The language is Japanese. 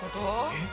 えっ？